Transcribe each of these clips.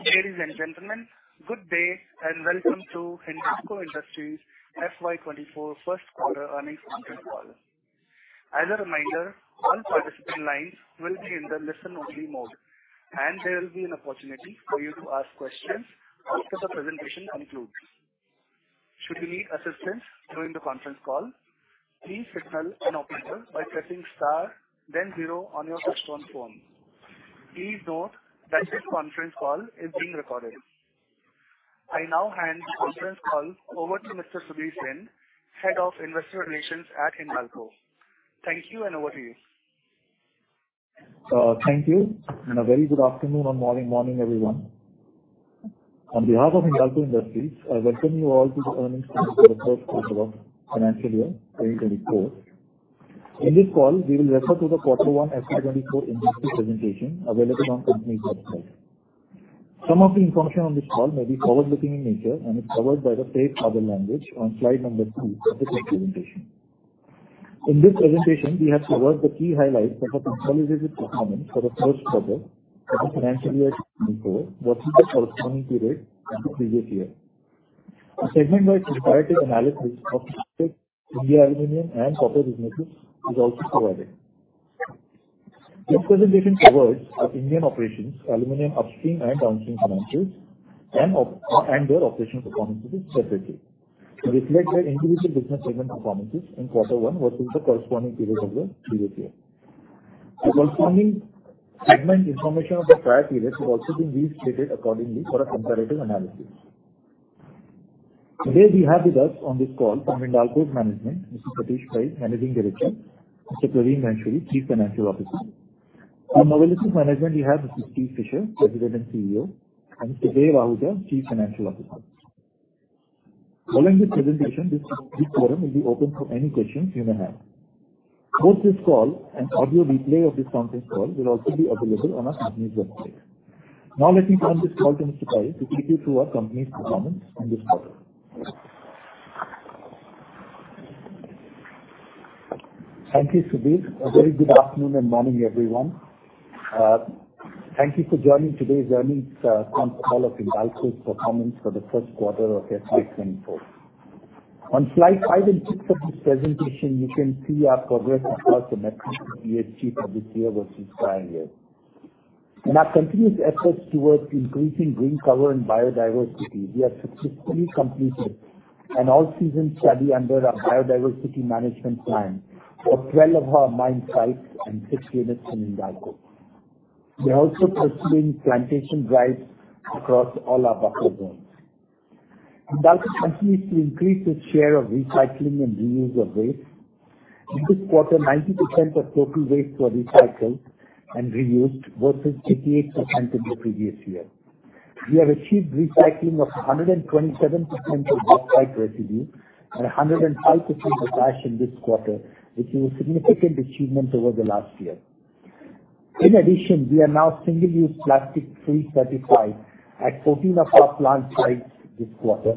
Ladies and gentlemen, good day, and welcome to Hindalco Industries FY 2024 Q1 Earnings Conference Call. As a reminder, all participant lines will be in the listen-only mode, and there will be an opportunity for you to ask questions after the presentation concludes. Should you need assistance during the conference call, please signal an operator by pressing star then zero on your touchtone phone. Please note that this conference call is being recorded. I now hand the conference call over to Mr. Subhrajit Roy, Head of Investor Relations at Hindalco. Thank you, and over to you. Thank you. A very good afternoon or morning, morning, everyone. On behalf of Hindalco Industries, I welcome you all to the earnings for the Q1 of financial year 2024. In this call, we will refer to the Q1 FY 2024 industry presentation available on company's website. Some of the information on this call may be forward-looking in nature and is covered by the safe harbor language on slide 2 of the next presentation. In this presentation, we have covered the key highlights of our consolidated performance for the Q1 of the financial year 2024 versus the corresponding period in the previous year. A segment-wise comparative analysis of India aluminum and copper businesses is also provided. This presentation covers our Indian operations, aluminum upstream and downstream financials, and their operational performances separately to reflect their individual business segment performances in Quarter One versus the corresponding period of the previous year. The corresponding segment information of the prior period has also been restated accordingly for a comparative analysis. Today we have with us on this call from Hindalco's management, Mr. Satish Pai, Managing Director; Mr. Praveen Kumar Machiraju, Chief Financial Officer. From Novelis's management, we have Mr. Steve Fisher, President and CEO, Sujay Raut, Chief Financial Officer. Following this presentation, this forum will be open for any questions you may have. Both this call and audio replay of this conference call will also be available on our company's website. Let me turn this call to Mr. Pai to take you through our company's performance in this quarter. Thank you, Subhrajit. A very good afternoon and morning, everyone. Thank you for joining today's earnings conference call of Hindalco's performance for the Q1 of FY 2024. On Slides 5 and 6 of this presentation, you can see our progress across the metrics we achieved for this year versus prior year. In our continuous efforts towards increasing green cover and biodiversity, we have successfully completed an all-season study under our biodiversity management plan for 12 of our mine sites and 6 units in Hindalco. We are also pursuing plantation drives across all our buffer zones. Hindalco continues to increase its share of recycling and reuse of waste. In this quarter, 90% of total waste was recycled and reused versus 88% in the previous year. We have achieved recycling of 127% of waste site residue and 105% of ash in this quarter, which is a significant achievement over the last year. In addition, we are now single-use plastic free certified at 14 of our plant sites this quarter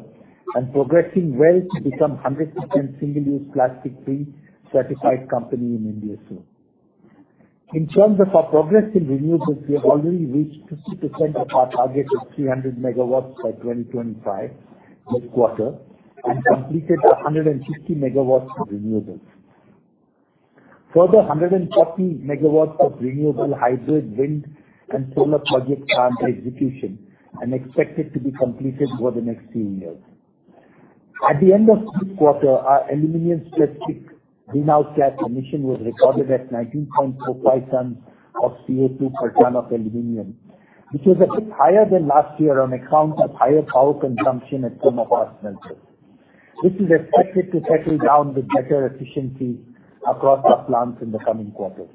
and progressing well to become 100% single-use plastic free certified company in India soon. In terms of our progress in renewables, we have already reached 50% of our target of 300 megawatts by 2025 this quarter and completed 160 megawatts of renewables. Further, 140 megawatts of renewable hydro, wind, and solar projects are under execution and expected to be completed over the next few years. At the end of this quarter, our aluminum specific greenhouse gas emission was recorded at 19.45 tons of CO2 per ton of aluminum, which was a bit higher than last year on account of higher power consumption at some of our smelters. This is expected to settle down with better efficiency across our plants in the coming quarters.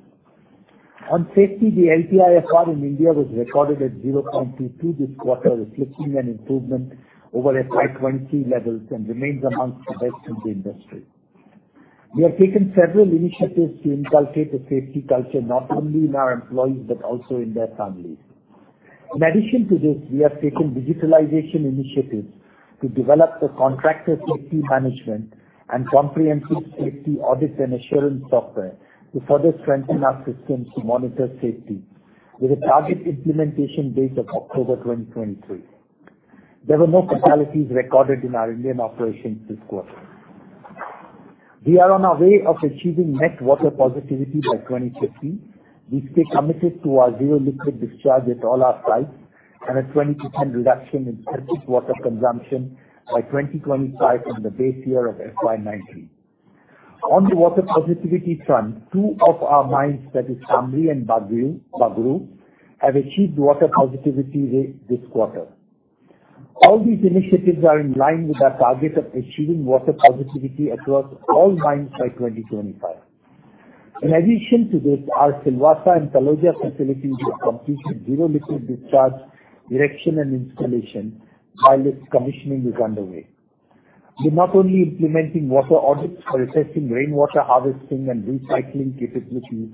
On safety, the LTIFR in India was recorded at 0.22 this quarter, reflecting an improvement over FY 2023 levels and remains amongst the best in the industry. We have taken several initiatives to inculcate a safety culture, not only in our employees, but also in their families. In addition to this, we have taken digitalization initiatives to develop the contractor safety management and comprehensive safety audit and assurance software to further strengthen our systems to monitor safety with a target implementation date of October 2023. There were no fatalities recorded in our Indian operations this quarter. We are on our way of achieving net water positivity by 2050. We stay committed to our zero liquid discharge at all our sites and a 20% reduction in fresh water consumption by 2025 from the base year of FY 2019. On the water positivity front, 2 of our mines, that is Samri and Bagru, have achieved water positivity this quarter. All these initiatives are in line with our target of achieving water positivity across all mines by 2025. In addition to this, our Silvassa and Taloda facilities have completed zero liquid discharge erection and installation, while its commissioning is underway. We're not only implementing water audits for assessing rainwater harvesting and recycling capabilities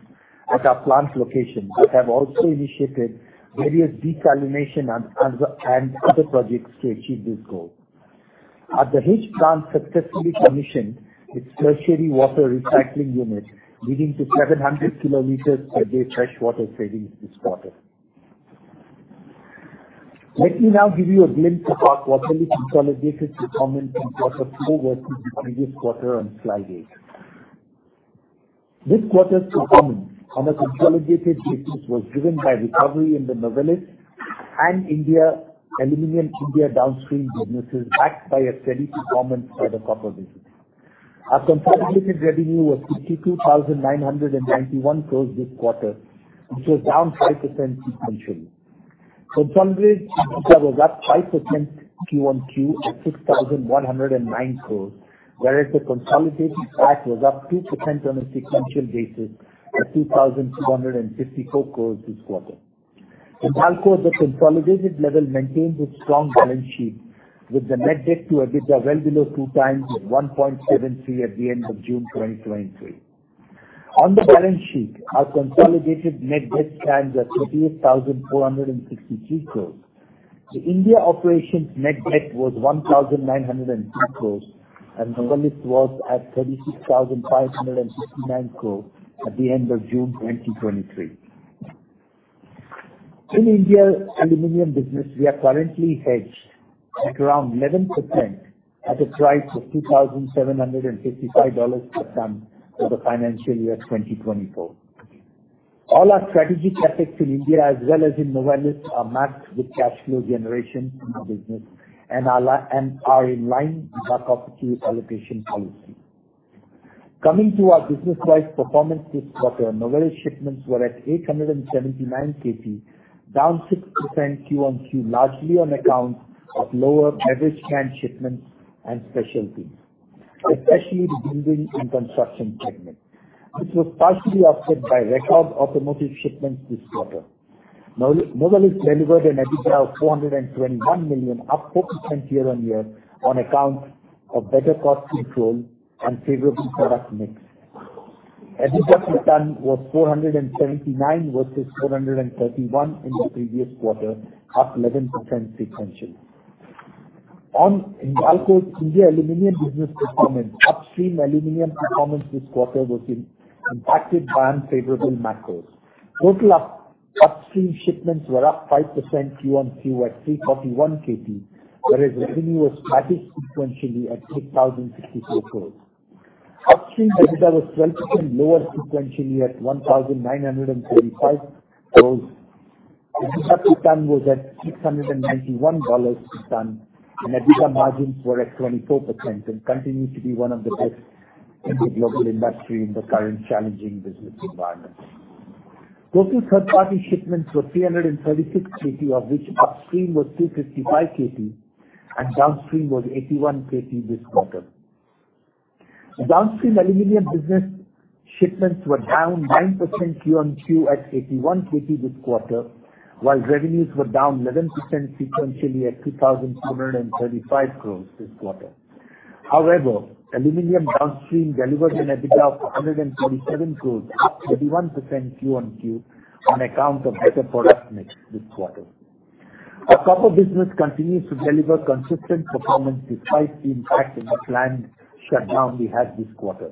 at our plant locations, but have also initiated various desalination and other projects to achieve this goal. Our Dahej plant successfully commissioned its tertiary water recycling unit, leading to 700 kilometers per day freshwater savings this quarter. Let me now give you a glimpse of our quarterly consolidated performance in quarter four versus the previous quarter on slide eight. This quarter's performance on a consolidated basis was driven by recovery in the Novelis and India, Aluminum India downstream businesses, backed by a steady performance by the copper business. Our consolidated revenue was 52,991 crore this quarter, which was down 5% sequentially. Consolidated EBITDA was up 5% QoQ at 6,109 crore, whereas the consolidated CAC was up 2% on a sequential basis at 2,254 crore this quarter. Hindalco, the consolidated level, maintains its strong balance sheet, with the net debt to EBITDA well below 2x at 1.73 at the end of June 2023. On the balance sheet, our consolidated net debt stands at 38,463 crore. The India operations net debt was 1,903 crore, and Novelis was at 36,569 crore at the end of June 2023. In India aluminum business, we are currently hedged at around 11% at a price of $2,755 per ton for the financial year 2024. All our strategic assets in India as well as in Novelis are matched with cash flow generation in our business and are in line with our capital allocation policy. Coming to our business-wide performance this quarter, Novelis shipments were at 879 KT, down 6% Q1Q, largely on account of lower average can shipments and specialties, especially the building and construction segment. This was partially offset by record automotive shipments this quarter. Novelis delivered an EBITDA of $421 million, up 4% year-on-year, on account of better cost control and favorable product mix. EBITDA per ton was $479 versus $431 in the previous quarter, up 11% sequentially. On Hindalco's India aluminum business performance, upstream aluminum performance this quarter was impacted by unfavorable macros. Total upstream shipments were up 5% Q1Q at 341 KT, whereas revenue was flat sequentially at 6,064 crore. Upstream EBITDA was 12% lower sequentially at 1,935 crore. EBITDA per ton was at $691 per ton, and EBITDA margins were at 24% and continues to be one of the best in the global industry in the current challenging business environment. Total third-party shipments were 336 KT, of which upstream was 255 KT and downstream was 81 KT this quarter. Downstream aluminum business shipments were down 9% Q1Q at 81 KT this quarter, while revenues were down 11% sequentially at 2,235 crore this quarter. Aluminum downstream delivered an EBITDA of 137 crore, up 31% Q1Q, on account of better product mix this quarter. Our copper business continues to deliver consistent performance despite the impact of the planned shutdown we had this quarter.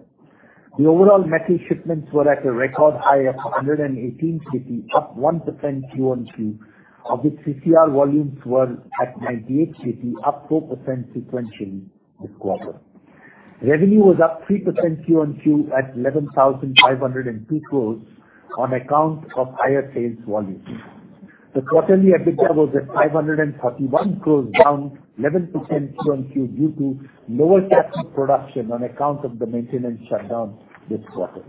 The overall metal shipments were at a record high of 118 KT, up 1% Q1Q, of which CCR volumes were at 98 KT, up 4% sequentially this quarter. Revenue was up 3% Q1Q at 11,502 crore on account of higher sales volumes. The quarterly EBITDA was at 531 crore, down 11% Q1Q, due to lower capacity production on account of the maintenance shutdown this quarter.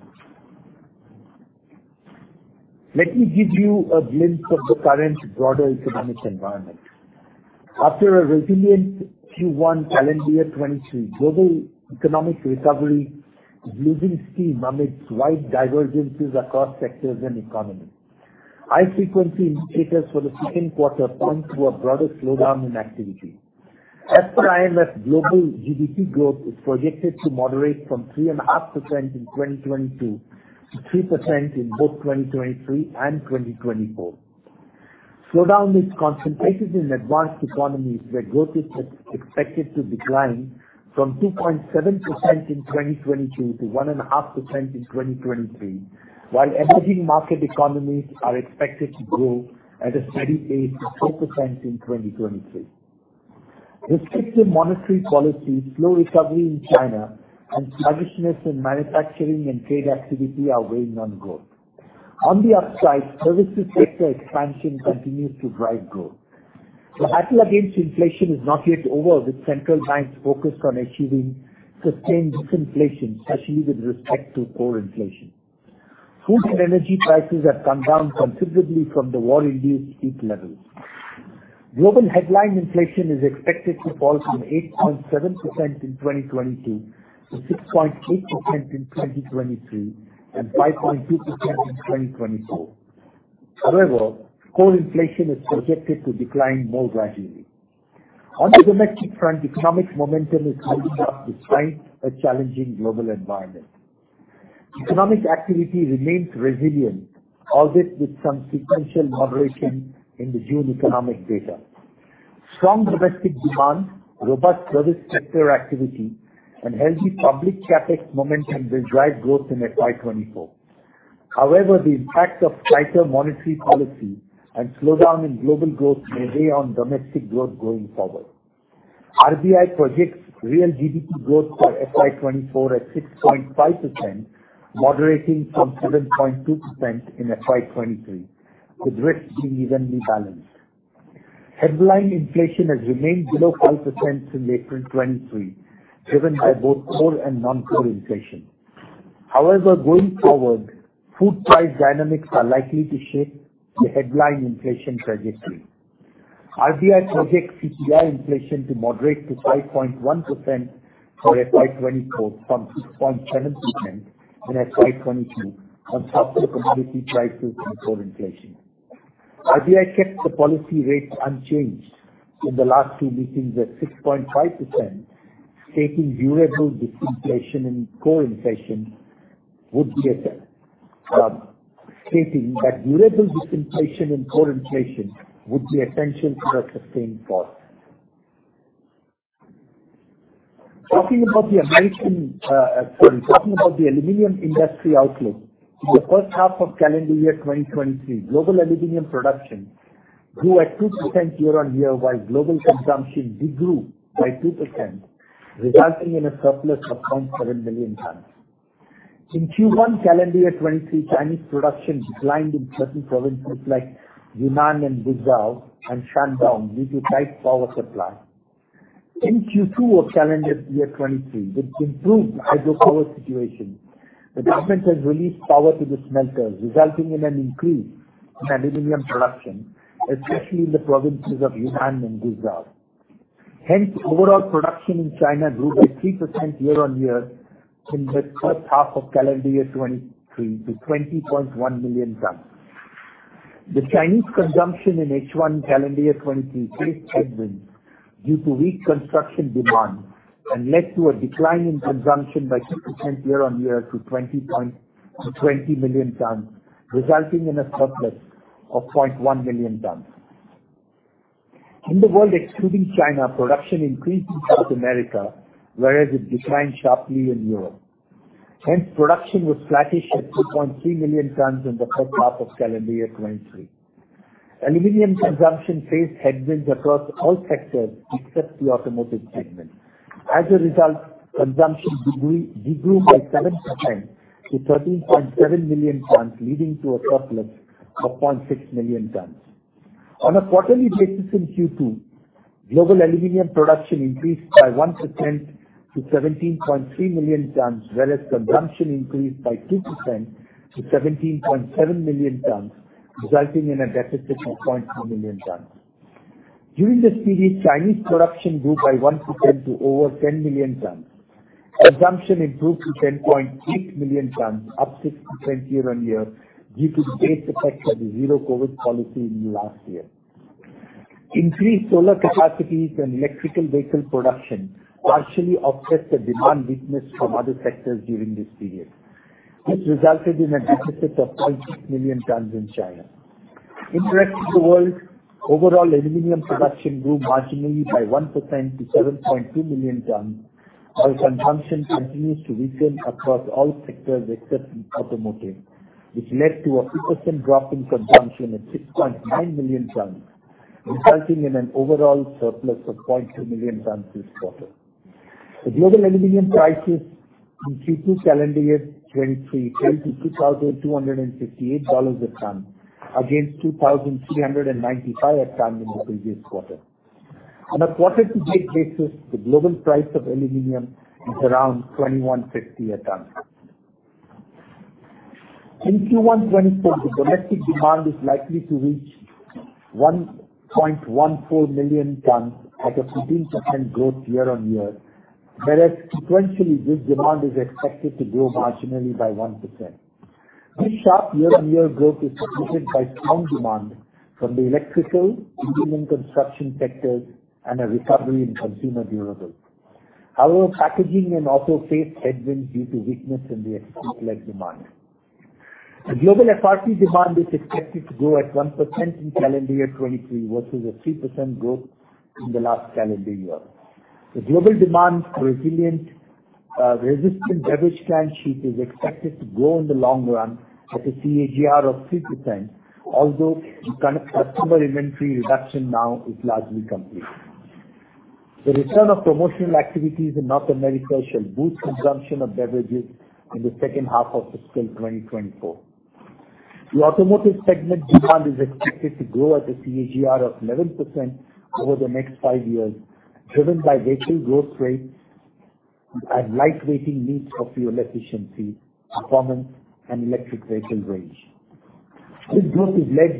Let me give you a glimpse of the current broader economic environment. After a resilient Q1 calendar 2023, global economic recovery is losing steam amidst wide divergences across sectors and economies. High-frequency indicators for the Q2 point to a broader slowdown in activity. As per IMF, global GDP growth is projected to moderate from 3.5% in 2022 to 3% in both 2023 and 2024. Slowdown is concentrated in advanced economies, where growth is expected to decline from 2.7% in 2022 to 1.5% in 2023, while emerging market economies are expected to grow at a steady pace of 4% in 2023. Restrictive monetary policy, slow recovery in China, and sluggishness in manufacturing and trade activity are weighing on growth. On the upside, services sector expansion continues to drive growth. The battle against inflation is not yet over, with central banks focused on achieving sustained disinflation, especially with respect to core inflation. Food and energy prices have come down considerably from the war-induced peak levels. Global headline inflation is expected to fall from 8.7% in 2022 to 6.8% in 2023 and 5.2% in 2024. Core inflation is projected to decline more gradually. On the domestic front, economic momentum is holding up despite a challenging global environment. Economic activity remains resilient, albeit with some sequential moderation in the June economic data. Strong domestic demand, robust service sector activity, and healthy public CapEx momentum will drive growth in FY 2024. The impact of tighter monetary policy and slowdown in global growth may weigh on domestic growth going forward. RBI projects real GDP growth for FY 2024 at 6.5%, moderating from 7.2% in FY 2023, with risks being evenly balanced. Headline inflation has remained below 5% since April 2023, driven by both core and non-core inflation. However, going forward, food price dynamics are likely to shape the headline inflation trajectory. RBI projects CPI inflation to moderate to 5.1% for FY 2024, from 6.7% in FY 2022, on softer commodity prices and core inflation. RBI kept the policy rates unchanged in the last two meetings at 6.5%, stating durable disinflation in core inflation would be a, stating that durable disinflation in core inflation would be essential for a sustained path. Talking about the aluminium industry outlook. In the first half of calendar year 2023, global aluminium production grew at 2% year-on-year, while global consumption de-grew by 2%, resulting in a surplus of 0.7 million tons. In Q1, calendar year 2023, Chinese production declined in certain provinces like Yunnan and Guizhou and Shandong, due to tight power supply. In Q2 of calendar year 2023, with improved hydro power situation, the government has released power to the smelters, resulting in an increase in aluminium production, especially in the provinces of Yunnan and Guizhou. Overall production in China grew by 3% year-on-year in the first half of calendar year 2023 to 20.1 million tons. The Chinese consumption in H1, calendar year 2023, faced headwinds due to weak construction demand and led to a decline in consumption by 2% year-on-year to 20 million tons, resulting in a surplus of 0.1 million tons. In the world, excluding China, production increased in South America, whereas it declined sharply in Europe. Production was flattish at 2.3 million tons in the first half of calendar year 2023. Aluminium consumption faced headwinds across all sectors, except the automotive segment. Consumption de-grew by 7% to 13.7 million tons, leading to a surplus of 0.6 million tons. On a quarterly basis in Q2, global aluminium production increased by 1% to 17.3 million tons, whereas consumption increased by 2% to 17.7 million tons, resulting in a deficit of 0.2 million tons. During this period, Chinese production grew by 1% to over 10 million tons. Consumption improved to 10.8 million tons, up 6% year-on-year, due to the base effect of the zero-COVID policy in the last year. Increased solar capacities and electrical vehicle production partially offset the demand weakness from other sectors during this period, which resulted in a deficit of 0.6 million tons in China. In the rest of the world, overall aluminium production grew marginally by 1% to 7.2 million tons, while consumption continues to weaken across all sectors except in automotive, which led to a 2% drop in consumption at 6.9 million tons, resulting in an overall surplus of 0.2 million tons this quarter. The global aluminium prices in Q2, calendar year 2023, rose to $2,258 a ton, against $2,395 a ton in the previous quarter. On a quarter-to-date basis, the global price of aluminium is around $2,150 a ton. In Q1 2024, the domestic demand is likely to reach 1.14 million tons at a 15% growth year-on-year. Whereas sequentially, this demand is expected to grow marginally by 1%. This sharp year-on-year growth is supported by strong demand from the electrical, building and construction sectors, and a recovery in consumer durables. However, packaging and auto faced headwinds due to weakness in the export led demand. The global FRP demand is expected to grow at 1% in calendar year 2023, versus a 3% growth in the last calendar year. The global demand resilient, resistant beverage trend sheet is expected to grow in the long run at a CAGR of 6%, although the customer inventory reduction now is largely complete. The return of promotional activities in North America shall boost consumption of beverages in the second half of fiscal 2024. The automotive segment demand is expected to grow at a CAGR of 11% over the next 5 years, driven by vehicle growth rates and light weighting needs for fuel efficiency, performance, and electric vehicle range. EVs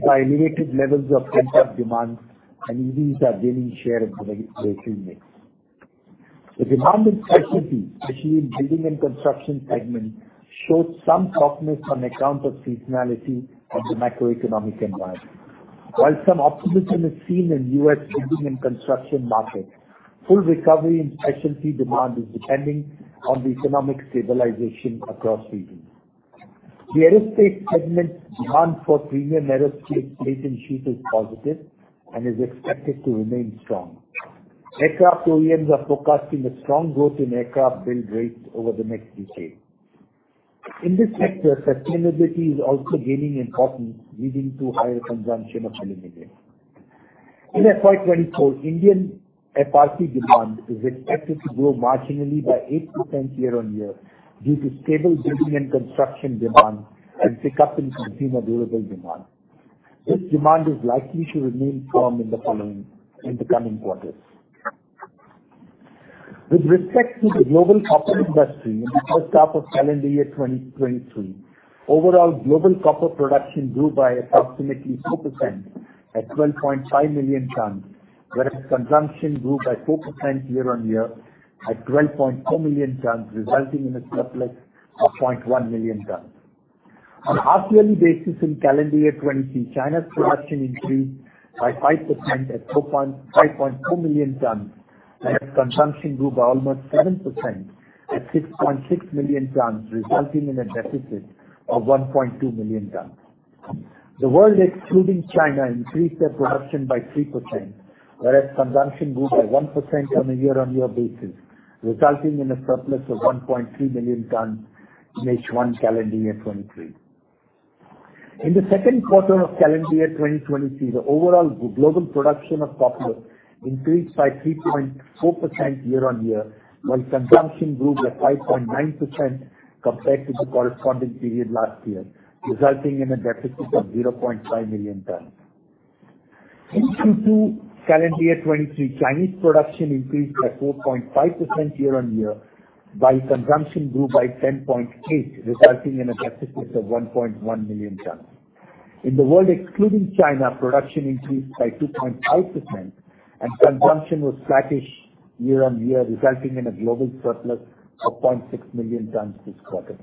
are gaining share of the vehicle mix. The demand in Specialty, especially in building and construction segment, showed some softness on account of seasonality of the macroeconomic environment. While some optimism is seen in US building and construction markets, full recovery in Specialty demand is depending on the economic stabilization across regions. The aerospace segment's demand for premium aerospace plate and sheet is positive and is expected to remain strong. Aircraft OEMs are forecasting a strong growth in aircraft build rates over the next decade. In this sector, sustainability is also gaining importance, leading to higher consumption of aluminum. In FY 2024, Indian FRC demand is expected to grow marginally by 8% year-on-year, due to stable building and construction demand and pick up in consumer durable demand. This demand is likely to remain firm in the following, in the coming quarters. With respect to the global copper industry in the first half of calendar year 2023, overall global copper production grew by approximately 2% at 12.5 million tons, whereas consumption grew by 4% year-on-year at 12.4 million tons, resulting in a surplus of 0.1 million tons. On a quarterly basis in calendar year 2023, China's production increased by 5% at 5.2 million tons, whereas consumption grew by almost 7% at 6.6 million tons, resulting in a deficit of 1.2 million tons. The world, excluding China, increased their production by 3%, whereas consumption grew by 1% on a year-on-year basis, resulting in a surplus of 1.3 million tons in H1 calendar year 2023. In the Q2 of calendar year 2023, the overall global production of copper increased by 3.4% year-on-year, while consumption grew by 5.9% compared to the corresponding period last year, resulting in a deficit of 0.5 million tons. In Q2 calendar year 2023, Chinese production increased by 4.5% year-on-year, while consumption grew by 10.8, resulting in a deficit of 1.1 million tons. In the world, excluding China, production increased by 2.5% and consumption was flattish year-on-year, resulting in a global surplus of 0.6 million tons this quarter.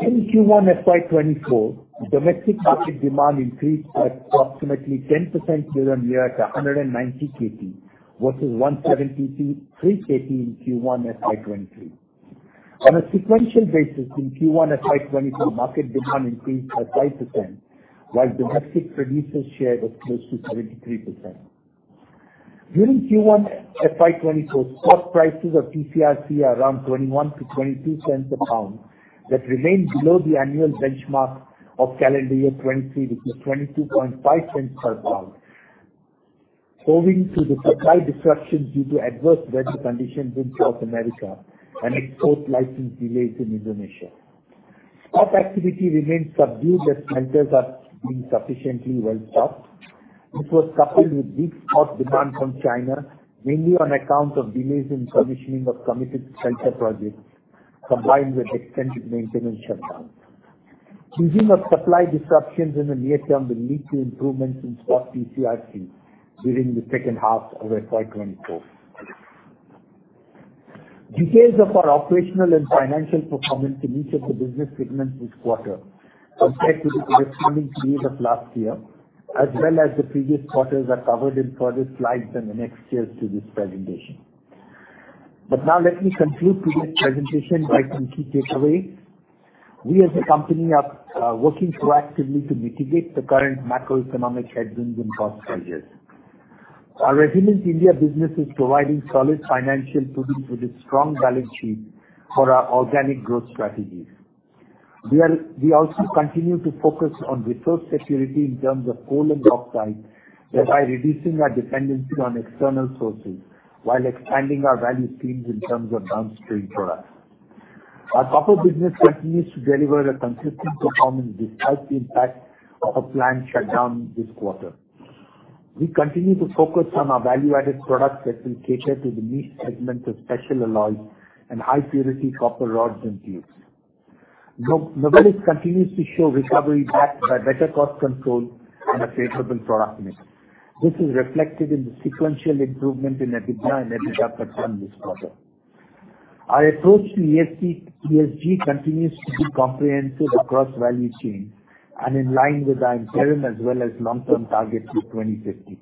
In Q1 FY 2024, domestic market demand increased by approximately 10% year-on-year to 190 KT versus 173 KT in Q1 FY 2023. On a sequential basis, in Q1 FY 2024, market demand increased by 5%, while domestic producers' share was close to 33%. During Q1 FY 2024, spot prices of TC/RCs are around 21-22 cents a pound. That remains below the annual benchmark of calendar year 2023, which is 22.5 cents per pound, owing to the supply disruptions due to adverse weather conditions in South America and export license delays in Indonesia. Spot activity remains subdued as smelters are being sufficiently well-stocked. This was coupled with weak spot demand from China, mainly on account of delays in commissioning of committed smelter projects, combined with extended maintenance shutdowns. Easing of supply disruptions in the near term will lead to improvements in spot TC/RCs during the second half of FY 2024. Details of our operational and financial performance in each of the business segments this quarter compared to the corresponding period of last year, as well as the previous quarters, are covered in further slides in the next years to this presentation. Now let me conclude today's presentation by key takeaways. We as a company are working proactively to mitigate the current macroeconomic headwinds and cost pressures. Our Resilient India business is providing solid financial footing with a strong balance sheet for our organic growth strategies. We also continue to focus on resource security in terms of coal and bauxite, thereby reducing our dependency on external sources while expanding our value streams in terms of downstream products. Our copper business continues to deliver a consistent performance despite the impact of a plant shutdown this quarter. We continue to focus on our value-added products that will cater to the niche segments of special alloys and high-purity copper rods and tubes. Novelis continues to show recovery backed by better cost control and a favorable product mix. This is reflected in the sequential improvement in EBITDA and EBITDA per ton this quarter. Our approach to ESG continues to be comprehensive across value chain and in line with our interim as well as long-term targets through 2050.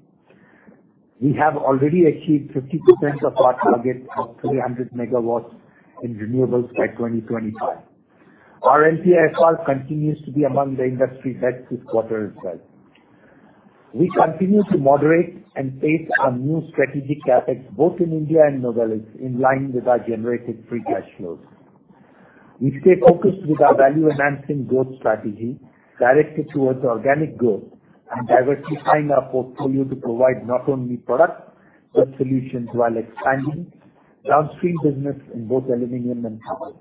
We have already achieved 50% of our target of 300 megawatts in renewables by 2025. Our NPIFR continues to be among the industry best this quarter as well. We continue to moderate and pace our new strategic CapEx, both in India and Novelis, in line with our generated free cash flows. We stay focused with our value enhancing growth strategy, directed towards organic growth and diversifying our portfolio to provide not only products, but solutions while expanding downstream business in both aluminum and copper.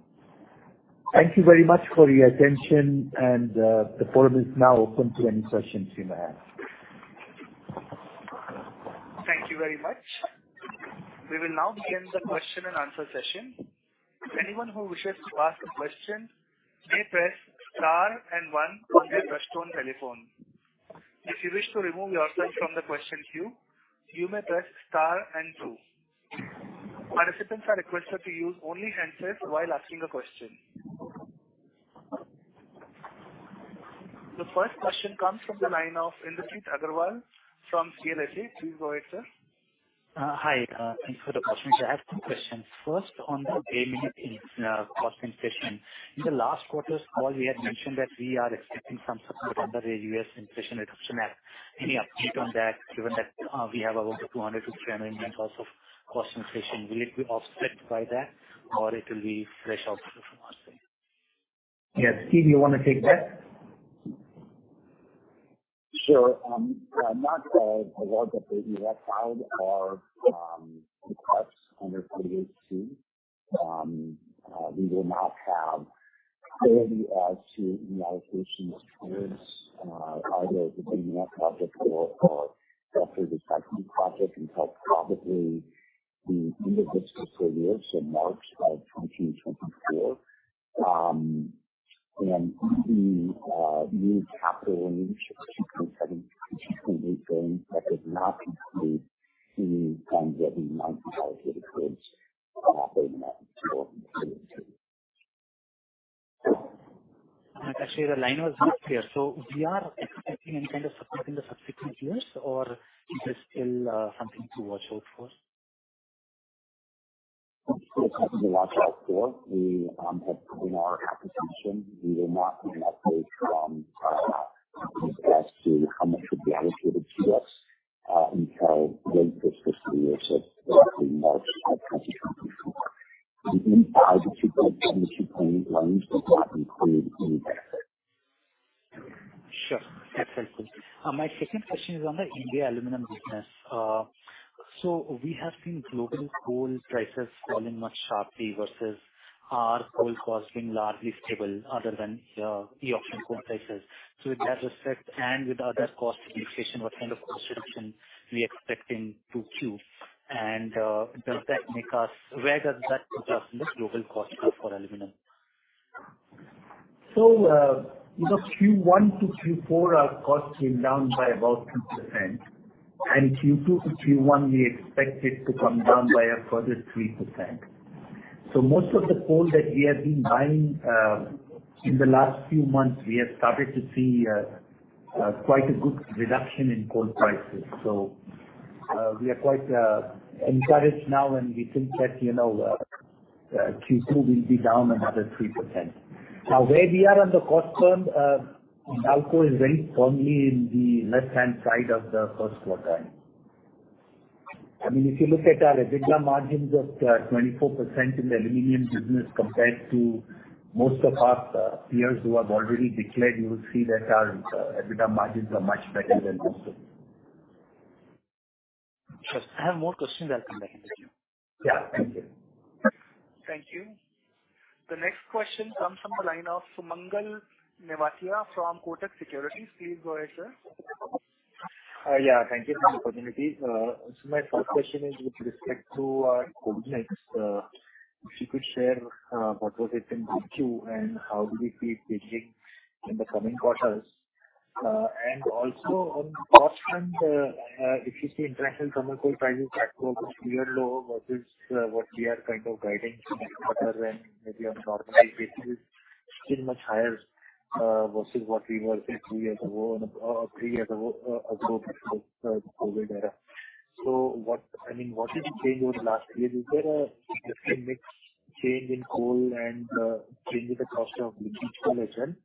Thank you very much for your attention and the forum is now open to any questions you may have. Thank you very much. We will now begin the question and answer session. Anyone who wishes to ask a question may press star and one on their touchtone telephone. If you wish to remove yourself from the question queue, you may press star and two... Participants are requested to use only handsets while asking a question. The first question comes from the line of Indrajit Agarwal from CLSA. Please go ahead, sir. Hi, thanks for the opportunity. I have two questions. First, on the gaming cost inflation. In the last quarter's call, we had mentioned that we are expecting some support under the US Inflation Reduction Act. Any update on that, given that we have around $200 million to 300 million of cost inflation, will it be offset by that or it will be fresh out from our side? Yes. Steve, you want to take that? Sure. Not all awards that we have found are under 2. We will not have clarity as to the allocation of awards, either the DMO project or, or after the second project until probably the end of fiscal year, so March of 2024. The new capital investment that is not included in getting $95 billion operating. Actually, the line was not clear. We are expecting any kind of support in the subsequent years or is this still something to watch out for? Something to watch out for. We have put in our application. We will not get an update from as to how much should be allocated to us until late this fiscal year, so March of 2024. The entire 2.2 point range does not include any deficit. Sure. Excellent. My second question is on the India aluminum business. We have seen global coal prices falling much sharply versus our coal costs being largely stable other than the auction coal prices. With that respect and with other cost inflation, what kind of cost reduction we expecting to queue? Does that make us- where does that put us in the global cost curve for aluminum? You know, Q1 to Q4, our costs came down by about 2%, and Q2 to Q1, we expect it to come down by a further 3%. Most of the coal that we have been buying in the last few months, we have started to see quite a good reduction in coal prices. We are quite encouraged now, and we think that, you know, Q2 will be down another 3%. Where we are on the cost front, ALCO is very firmly in the left-hand side of the first quadrant. I mean, if you look at our EBITDA margins of 24% in the aluminum business compared to most of our peers who have already declared, you will see that our EBITDA margins are much better than those. Sure. I have more questions. I'll come back to you. Yeah. Thank you. Thank you. The next question comes from the line of Sumangal Nevatia from Kotak Securities. Please go ahead, sir. Yeah, thank you for the opportunity. My first question is with respect to COVID next. If you could share, what was it in Q, and how do we see it changing in the coming quarters? Also on the cost front, if you see international thermal coal prices at about year lower versus what we are kind of guiding for this quarter and maybe on a normalized basis, still much higher versus what we were, say, 2 years ago, 3 years ago, before the COVID era. What... I mean, what did you change over the last year? Is there a different mix change in coal and change in the cost of linkage to legend?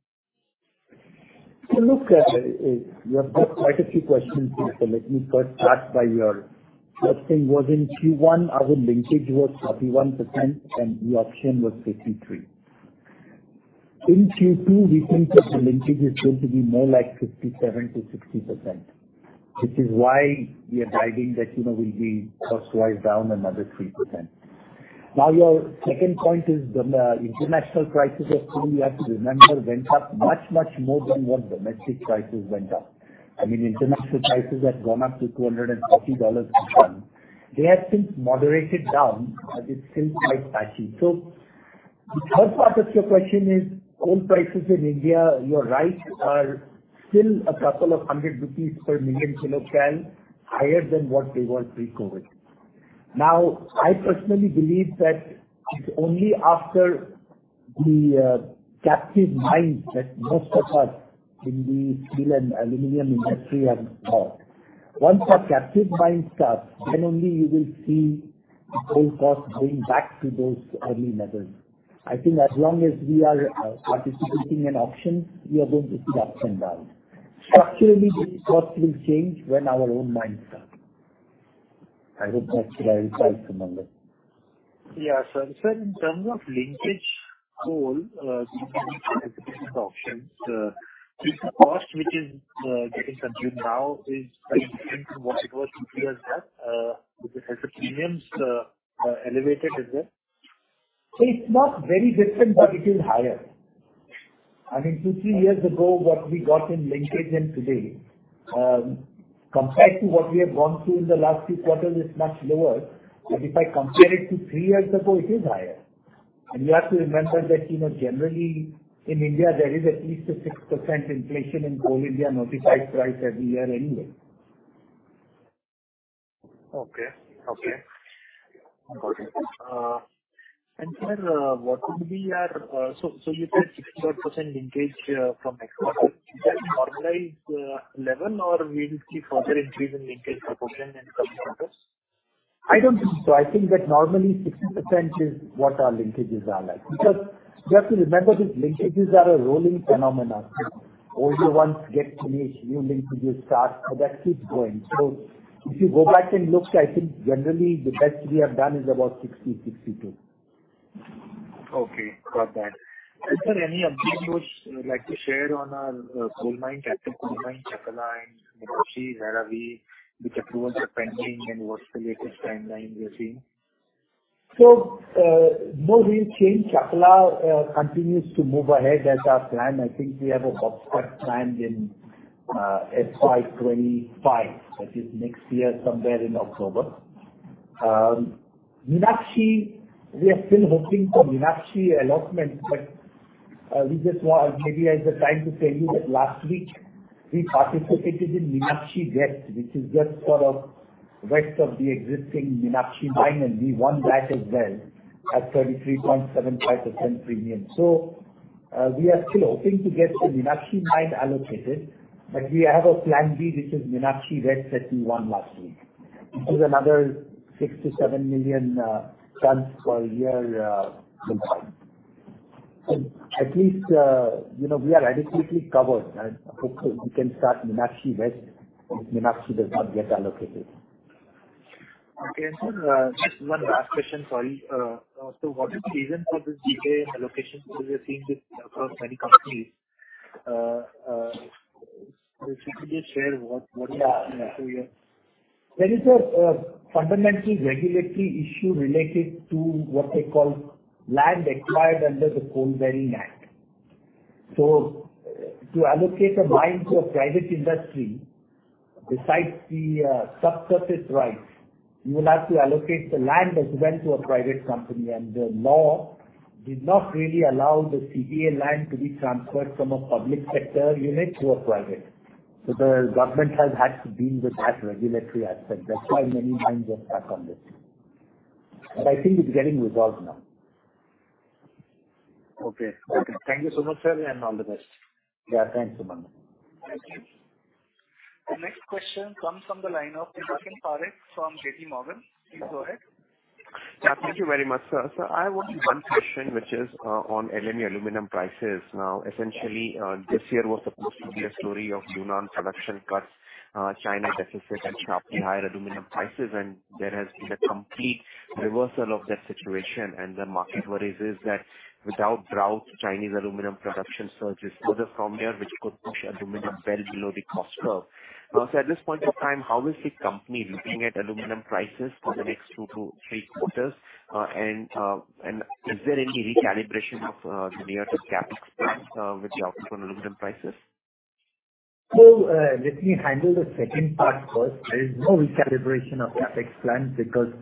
Look, you have got quite a few questions here. Let me first start by your first thing was in Q1, our linkage was 41% and the option was 53%. In Q2, we think that the linkage is going to be more like 57 to 60%, which is why we are guiding that, you know, we'll be cost-wise, down another 3%. Your second point is the international prices of coal. You have to remember, went up much, much more than what domestic prices went up. I mean, international prices have gone up to $240 a ton. They have since moderated down, but it's still quite patchy. The third part of your question is coal prices in India, you're right, are still 200 rupees per million kiloCal higher than what they were pre-COVID. Now, I personally believe that it's only after the captive mines that most of us in the steel and aluminum industry have bought. Once our captive mine starts, then only you will see the coal cost going back to those early levels. I think as long as we are participating in auctions, we are going to see the ups and downs. Structurally, this cost will change when our own mines start. I hope that's clear as well, Sumangal. Yeah, sir. Sir, in terms of linkage coal options, is the cost which is getting consumed now is quite different from what it was 2 years back? Because the premiums are elevated, is it? It's not very different, but it is higher. I mean, two, three years ago, what we got in linkage and today, compared to what we have gone through in the last few quarters, is much lower. But if I compare it to three years ago, it is higher. You have to remember that, you know, generally in India, there is at least a 6% inflation in Coal India notified price every year anyway. Okay, okay. Sir, what would be our... So you said 60% linkage from next quarter, is that normalized level, or we will see further increase in linkage proportion in coming quarters? I don't think so. I think that normally 60% is what our linkages are like. Because you have to remember that linkages are a rolling phenomenon. Older ones get finished, new linkages start, so that keeps going. If you go back and look, I think generally the best we have done is about 60, 62. Okay, got that. Sir, any updates you would like to share on our coal mine, Chakla and Meenakshi, where are we? Which approvals are pending and what's the latest timeline we're seeing? No real change. Chakla continues to move ahead as our plan. I think we have a hotspot planned in FY 2025. That is next year, somewhere in October. Meenakshi, we are still hoping for Meenakshi allotment, but we just want maybe as the time to tell you that last week we participated in Meenakshi West, which is just sort of west of the existing Meenakshi mine, and we won that as well at 33.75% premium. We are still hoping to get the Meenakshi mine allocated, but we have a plan B, which is Meenakshi West that we won last week. This is another 6-7 million tons per year mine. At least, you know, we are adequately covered, and hopefully we can start Meenakshi West if Meenakshi does not get allocated. Okay, sir, just one last question, sorry. What is the reason for this delay in allocation? Because we are seeing this across many companies. If you could just share what, what is happening here? There is a fundamental regulatory issue related to what they call land acquired under the Coal Bearing Act. To allocate a mine to a private industry, besides the subsurface rights, you will have to allocate the land as well to a private company. The law did not really allow the CBA land to be transferred from a public sector unit to a private. The government has had to deal with that regulatory aspect. That's why many mines are stuck on this, but I think it's getting resolved now. Okay. Okay. Thank you so much, sir, and all the best. Yeah, thanks, Suman. Thank you. The next question comes from the line of Pinakin Parekh from JPMorgan. Please go ahead. Yeah, thank you very much, sir. I have only one question, which is on LME aluminum prices. Essentially, this year was supposed to be a story of Yunnan production cuts, China deficit and sharply higher aluminum prices, there has been a complete reversal of that situation. The market worry is that without drought, Chinese aluminum production surges further from here, which could push aluminum well below the cost curve. At this point of time, how is the company looking at aluminum prices for the next 2-3 quarters? Is there any recalibration of the near-term CapEx plans with your open aluminum prices? Let me handle the second part first. There is no recalibration of CapEx plans because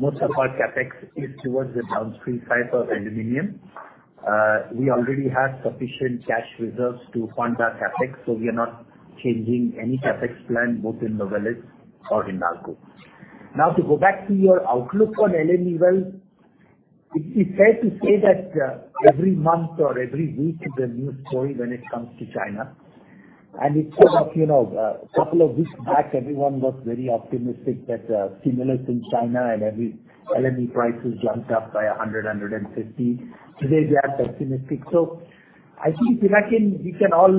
most of our CapEx is towards the downstream side of aluminum. We already have sufficient cash reserves to fund our CapEx, so we are not changing any CapEx plan, both in Novelis or Hindalco. Now, to go back to your outlook on LME, well, it's, it's fair to say that every month or every week is a new story when it comes to China. It's, you know, couple of weeks back, everyone was very optimistic that stimulus in China and every LME price is jumped up by $100 to 150. Today, they are pessimistic. I think, Pinakin, we can all,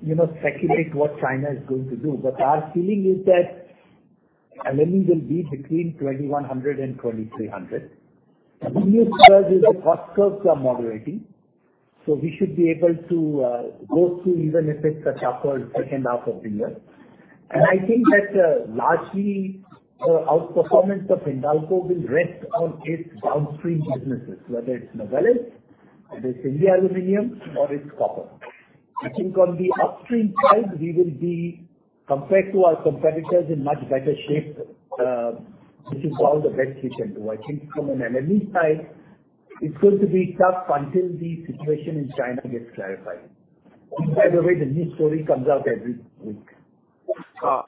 you know, speculate what China is going to do, but our feeling is that LME will be between $2,100 and $2,300. The good news is the cost curves are moderating, so we should be able to go through even if it's a tougher second half of the year. I think that largely outperformance of Hindalco will rest on its downstream businesses, whether it's Novelis, whether it's India Aluminum or it's copper. I think on the upstream side, we will be, compared to our competitors, in much better shape, which is all the best we can do. I think from an LME side, it's going to be tough until the situation in China gets clarified. Either way, the new story comes out every week.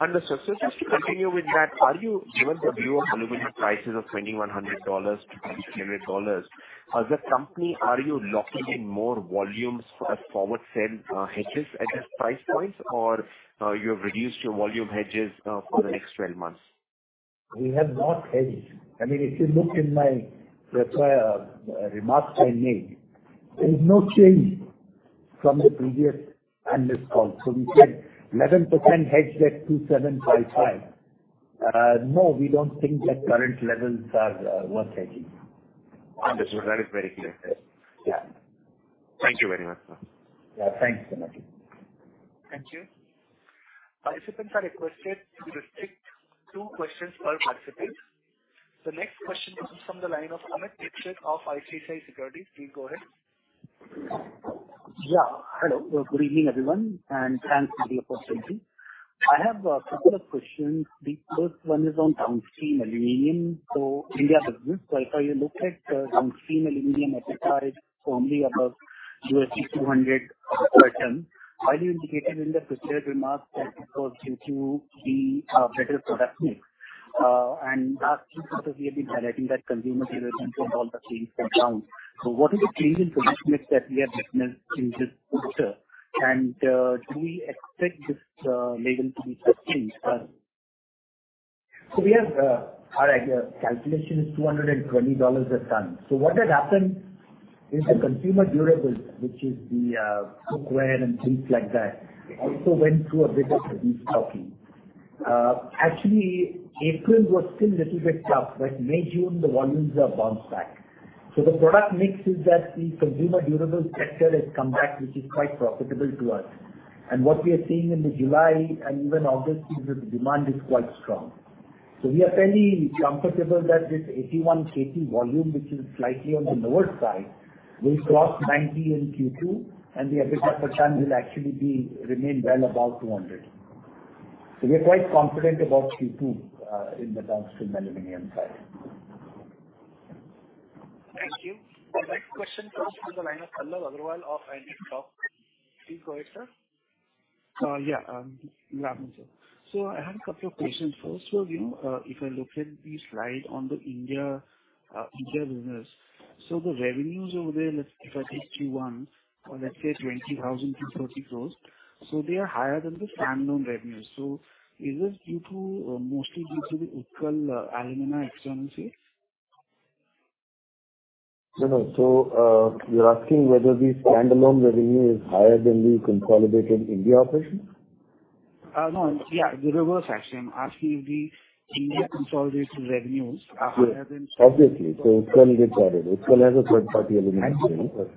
Understood. Just to continue with that, are you, given the view of aluminum prices of $2,100 to $2,200, as a company, are you locking in more volumes for a forward sell, hedges at this price point, or, you have reduced your volume hedges, for the next 12 months? We have not hedged. I mean, if you look in my remarks I made, there is no change from the previous analyst call. We said 11% hedged at $2,755. No, we don't think that current levels are worth hedging. Understood. That is very clear. Yeah. Thank you very much, sir. Yeah, thanks so much. Thank you. Participants are requested to restrict two questions per participant. The next question comes from the line of Amit Dixit of ICICI Securities. Please go ahead. Yeah. Hello, good evening, everyone, and thanks for the opportunity. I have a couple of questions. The first one is on downstream aluminum. India business, if I look at, downstream aluminum, EBITDA is only above $200 per ton. While you indicated in the prepared remarks that it was due to the better product mix, and last few quarters, we have been highlighting that consumer durables and all the things come down. What is the change in product mix that we have witnessed in this quarter? Do we expect this level to be sustained, sir? We have, our, calculation is $220 a ton. What had happened is the consumer durables, which is the, cookware and things like that, also went through a bit of a rough patch. actually, April was still little bit tough, but May, June, the volumes have bounced back. The product mix is that the consumer durables sector has come back, which is quite profitable to us. What we are seeing in the July and even August is that the demand is quite strong. We are fairly comfortable that this 81 KT volume, which is slightly on the lower side, will cross 90 in Q2, and the EBITDA per ton will actually be remain well above $200. We are quite confident about Q2, in the downstream aluminum side. Thank you. The next question comes from the line of Anwar Agarwal of ANJ Talk. Please go ahead, sir. Yeah, you have me, sir. I have a couple of questions. First of all, you know, if I look at the slide on the India India business, the revenues over there, let's-- if I take Q1 or let's say 20,000-30,000 crore, they are higher than the standalone revenues. Is this due to, mostly due to the Utkal Alumina external sales? No, no. You're asking whether the standalone revenue is higher than the consolidated India operation? No. Yeah, the reverse, actually. I'm asking if the India consolidated revenues are higher than- Obviously. It can get added. Utkal has a third-party element, you know.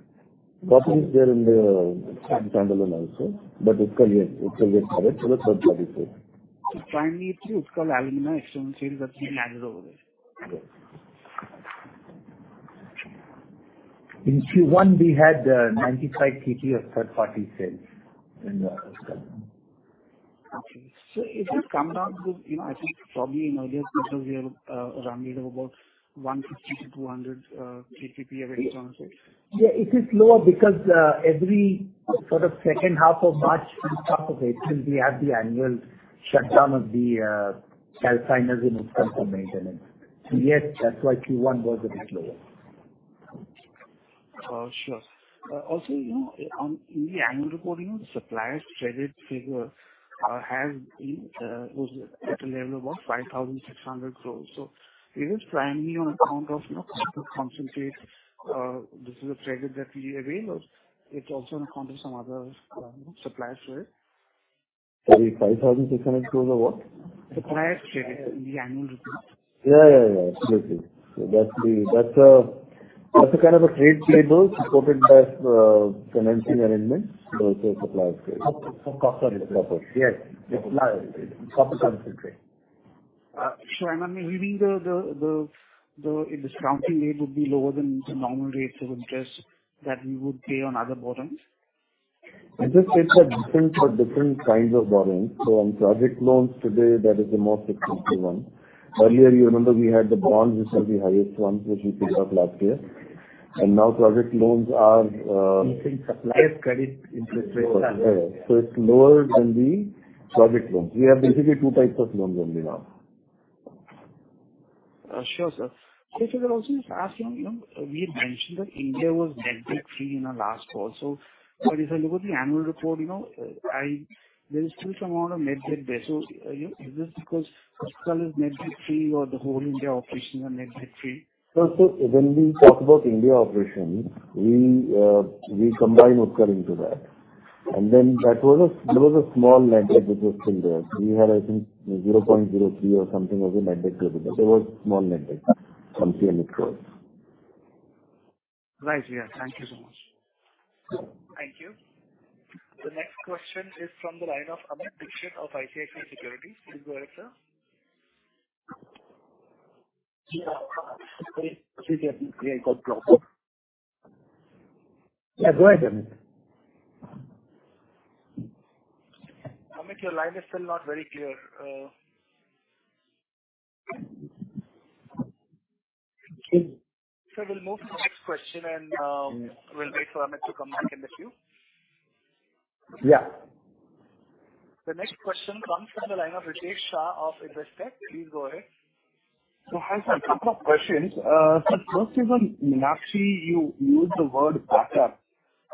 Copy is there in the standalone also. Utkal, yes, Utkal get added to the third-party sale. Primarily, Utkal Alumina external sales are higher over there. Yes. In Q1, we had 95 KT of third-party sales in the Utkal. Okay. It has come down with, you know, I think probably in earlier quarters we have, around about 150-200 KT of external sales. Yeah, it is lower because every sort of second half of March and half of April, we have the annual shutdown of the calciners in Utkal for maintenance. Yes, that's why Q1 was a bit lower. Oh, sure. Also, you know, on, in the annual reporting, the suppliers credit figure, has been, was at a level of about 5,600 crore. Is this primarily on account of, you know, concentrate, this is a credit that we avail, or it's also on account of some other, you know, suppliers credit? Sorry, 5,600 crore of what? Supplier credit in the annual report. Yeah, yeah, yeah. Obviously. That's a kind of a trade payable supported by financing arrangements. It's a supplier credit. Of, of copper. Copper. Yes. Copper concentrate. I'm assuming the, the, the, the discounting rate would be lower than the normal rates of interest that we would pay on other borrowings? I just said that different for different kinds of borrowings. On project loans today, that is the more successful one. Earlier, you remember we had the bonds, which are the highest ones, which we paid off last year, now project loans are. Supply credit interest rates are- It's lower than the project loans. We have basically two types of loans only now. Sure, sir. There are also just asking, you know, we had mentioned that India was net debt free in our last call. But if I look at the annual report, you know, there is still some amount of net debt there. You know, is this because Utkal is net debt free or the whole India operations are net debt free? When we talk about India operations, we, we combine Utkal into that. That was, there was a small net debt which was still there. We had, I think, 0.03 or something as a net debt, there was small net debt, some PM it was. Right. Yeah. Thank you so much. Thank you. The next question is from the line of Amit Dixit of ICICI Securities. Please go ahead, sir. Yeah, I got problem. Yeah, go ahead, Amit. Amit, your line is still not very clear. Okay. We'll move to the next question, and we'll wait for Amit to come back in the queue. Yeah. The next question comes from the line of Ritesh Shah of Edelweiss. Please go ahead. Hi, sir, a couple of questions. First is on Meenakshi, you used the word backup.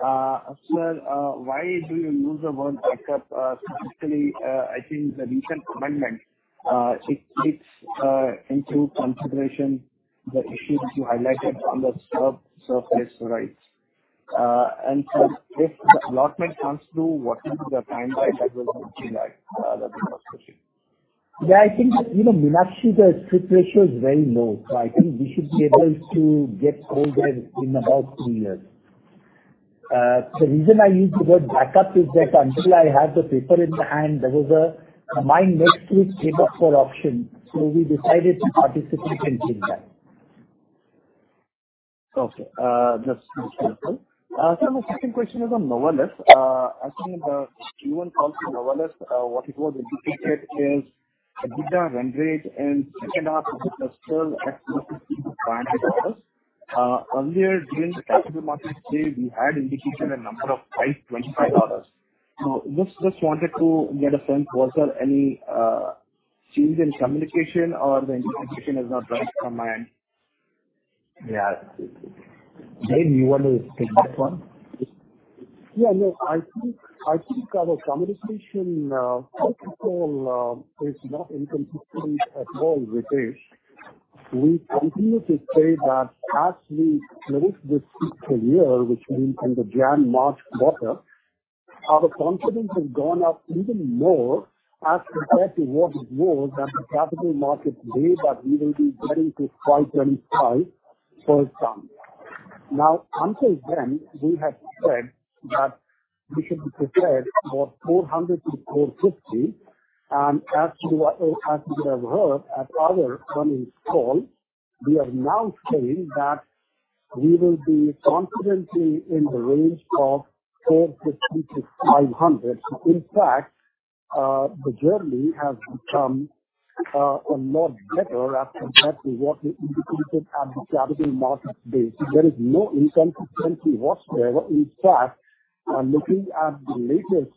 Sir, why do you use the word backup? Specifically, I think the recent amendment, it takes into consideration the issues you highlighted on the sub-surface rights. If the allotment comes through, what is the timeline that will look like? That's my first question. Yeah, I think, you know, Meenakshi, the strip ratio is very low, so I think we should be able to get all that in about two years. The reason I use the word backup is that until I have the paper in the hand, there was a mine next to it came up for auction, so we decided to participate and win that. Okay, just, just careful. My second question is on Novelis. I think the human call to Novelis, what it was indicated is a good run rate and second half still at $500. Earlier during the capital markets day, we had indicated a number of $525. Just, just wanted to get a sense, was there any change in communication or the communication is not right from my end? Yeah. Dev, you want to take that one? Yeah, no, I think, I think our communication, first of all, is not inconsistent at all with this. We continue to say that as we move this fiscal year, which means in the Jan-March quarter, our confidence has gone up even more as compared to what was more than the capital markets day, that we will be getting to 525 for some. Until then, we have said that we should be prepared for 400-450. As you, as you have heard at other earnings call, we are now saying that we will be confidently in the range of 450-500. In fact, the journey has become a lot better as compared to what we indicated at the capital markets day. There is no inconsistency whatsoever. In fact, looking at the latest,